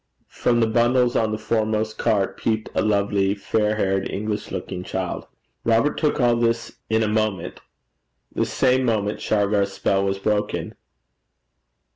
From the bundles on the foremost cart peeped a lovely, fair haired, English looking child. Robert took all this in in a moment. The same moment Shargar's spell was broken.